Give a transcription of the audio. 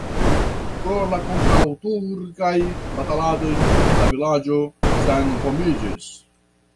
Pro la kontraŭturkaj bataladoj la vilaĝo senhomiĝis.